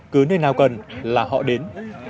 cứ nơi nào cần là họ đến